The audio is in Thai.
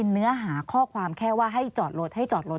ถามมันได้ไม่เป็นไร